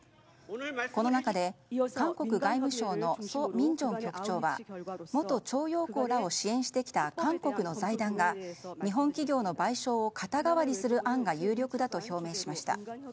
この中で韓国外務省のソ・ミンジョン局長は元徴用工らを支援してきた韓国の財団が日本企業の賠償を肩代わりする案が有力だと表明しました。